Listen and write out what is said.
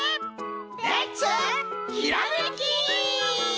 レッツひらめき！